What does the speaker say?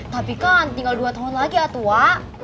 tapi kan tinggal dua tahun lagi ya tuh wak